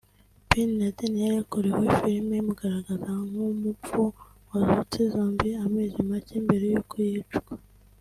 Ben Laden yari yarakorewe filimi imugaragaza nk’umupfu wazutse (Zombie) amezi make mbere y’uko yicwa